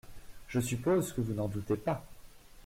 Je suppose que vous n’en doutez pas.